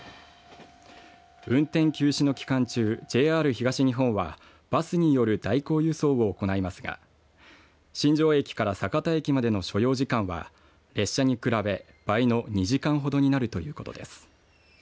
運転休止の期間中、ＪＲ東日本はバスによる代行輸送を行いますが新庄駅から酒田駅までの所要時間は列車に比べ倍の２時間ほどになるということです。